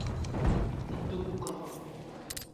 শনির তিনটা উপগ্রহ।